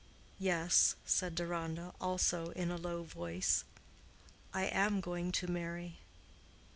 "Yes," said Deronda, also in a low voice. "I am going to marry."